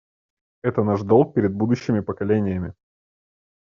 Это наш долг перед будущими поколениями.